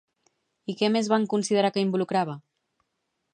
I què més van considerar que involucrava?